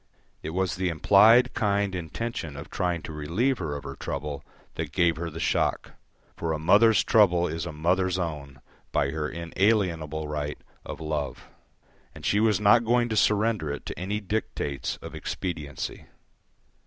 It was the implied kind intention of trying to relieve her of her trouble that gave her the shock, for a mother's trouble is a mother's own by her inalienable right of love, and she was not going to surrender it to any dictates of expediency.